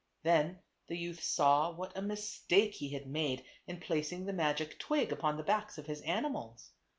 Then the youth saw what a mistake he had made in placing the magic twig upon the backs of his animals.